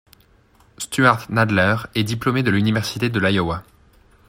Stuart Nadler est diplômé de l’Université de l'Iowa.